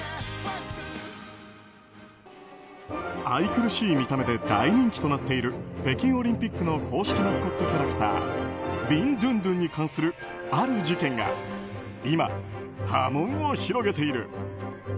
愛くるしい見た目で大人気となっている北京オリンピックの公式マスコットキャラクタービンドゥンドゥンに関するある事件が今、波紋を広げている。